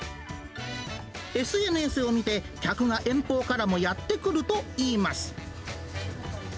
ＳＮＳを見て、客が遠方からもやって来るといいます。